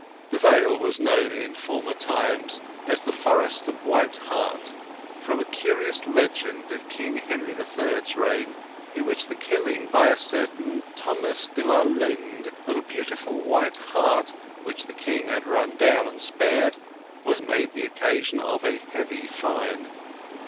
The Vale was known in former times as the Forest of White Hart, from a curious legend of King Henry III's reign, in which the killing by a certain Thomas de la Lynd of a beautiful white hart which the king had run down and spared, was made the occasion of a heavy fine.